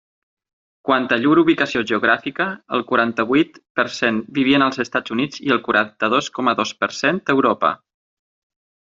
Quant a llur ubicació geogràfica, el quaranta-vuit per cent vivien als Estats Units i el quaranta-dos coma dos per cent a Europa.